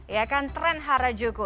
ya kan tren harajuku